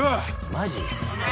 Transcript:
マジ？